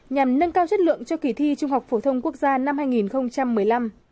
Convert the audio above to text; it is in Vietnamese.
nhằm nâng cao chất lượng cho kỳ thi trung học phổ thông quốc gia năm hai nghìn một mươi năm